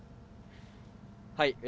はい。